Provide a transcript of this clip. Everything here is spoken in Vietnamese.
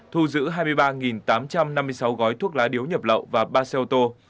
thu giữ hai mươi ba tám trăm năm mươi sáu gói thuốc lá điếu nhập lậu và ba xe ô tô